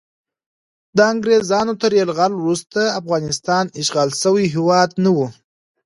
د انګریزانو تر یرغل وروسته افغانستان اشغال شوی هیواد نه و.